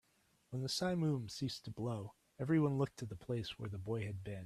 When the simum ceased to blow, everyone looked to the place where the boy had been.